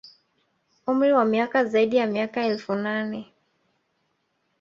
Umri wa miaka zaidi ya miaka elfu nane